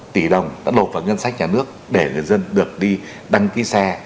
hai mươi bốn tỷ đồng đã lột vào ngân sách nhà nước để người dân được đi đăng ký xe